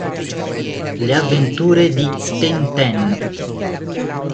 Le avventure di Tintin